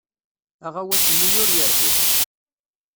Aɣawas-nni ur yerbiḥ.